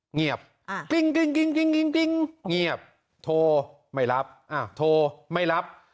เงียบติ๊งติ๊งติ๊งติ๊งติ๊งเงียบโทรไม่รับโทรไม่รับ